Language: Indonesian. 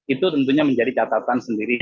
itu tentunya menjadi catatan sendiri